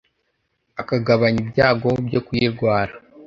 akagabanya ibyago byo kuyirwara